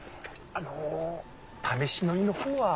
あの試し乗りのほうは？